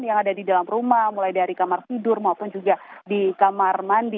yang ada di dalam rumah mulai dari kamar tidur maupun juga di kamar mandi